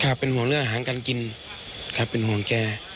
เป็นห่วงเรื่องหางการกินครับเป็นห่วงแก